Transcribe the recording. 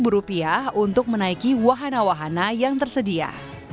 dan ada tambahan rp sepuluh untuk menaiki wahana wahana yang tersedia